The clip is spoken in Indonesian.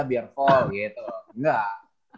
biar fall gitu enggak